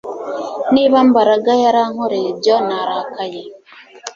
Niba Mbaraga yarankoreye ibyo narakaye